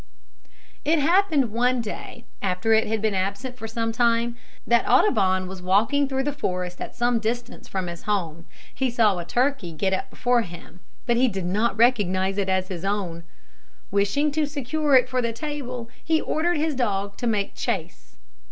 It happened one day, after it had been absent for some time, that as Audubon was walking through the forest at some distance from his home, he saw a turkey get up before him, but he did not recognise it as his own. Wishing to secure it for the table, he ordered his dog to make chase.